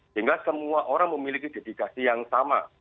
sehingga semua orang memiliki dedikasi yang sama